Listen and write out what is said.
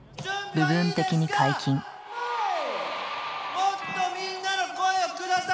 もっとみんなの声を下さい！